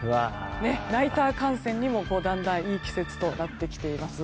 ナイター観戦にもだんだんいい季節となってきています。